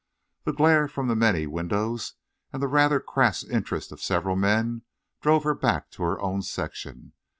The glare from the many windows, and the rather crass interest of several men, drove her back to her own section.